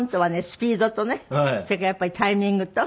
スピードとねそれからやっぱりタイミングと。